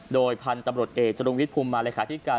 โดยพันธุ์ตำรวจเอกจรุงวิทภูมิมาเลขาธิการ